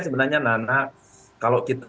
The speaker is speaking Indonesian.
sebenarnya nana kalau kita